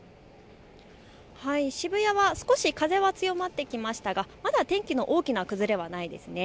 渋谷は少し風は強まってきましたがまだ天気の大きな崩れはないですね。